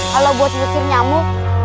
kalau buat lu sir nyamuk